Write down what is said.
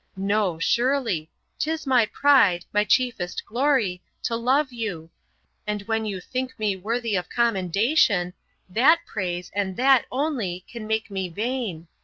No, surely; 'tis my pride, my chiefest glory, to love you; and when you think me worthy of commendation, that praise, and that only, can make me vain.